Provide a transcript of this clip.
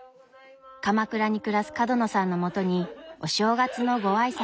鎌倉に暮らす角野さんのもとにお正月のご挨拶。